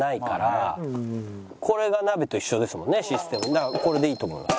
だからこれでいいと思います。